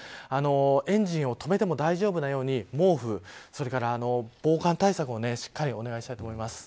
エンジンを止めても大丈夫なように毛布それから防寒対策をしっかり、お願いします。